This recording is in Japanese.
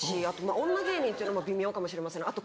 あと女芸人っていうのも微妙かもしれません。